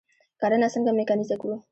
کرنه څنګه میکانیزه کړو؟